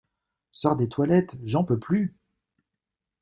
Sors des toilettes, j'en peux plus!